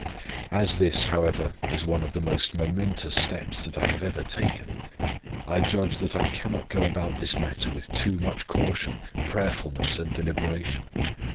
"As this, however, is one of the most momentous steps that I have ever taken, I judge that I cannot go about this matter with too much caution, prayerfulness, and deliberation.